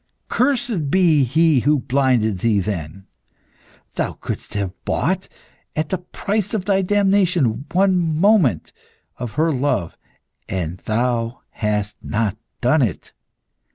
Cursed be he who blinded thee then! Thou couldst have bought, at the price of thy damnation, one moment of her love, and thou hast not done it!